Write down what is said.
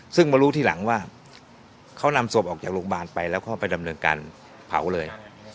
ซึ่งมารู้ทีหลังว่าเขานำศพออกจากโรงพยาบาลไปแล้วก็ไปดำเนินการเผาเลย